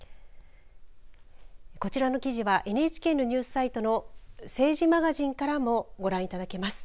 こちらの記事はＮＨＫのニュースサイトの政治マガジンからもご覧いただけます。